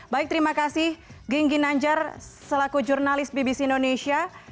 baik terima kasih genggi nanjar selaku jurnalis bbc indonesia